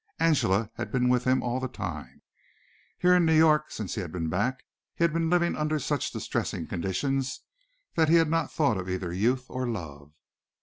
Angela had been with him all the time. Here in New York since he had been back he had been living under such distressing conditions that he had not thought of either youth or love.